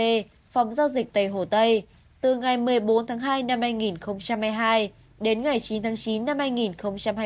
b phòng giao dịch tây hồ tây từ ngày một mươi bốn tháng hai năm hai nghìn hai mươi hai đến ngày chín tháng chín năm hai nghìn hai mươi ba